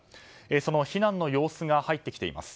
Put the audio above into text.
その避難の様子が入ってきています。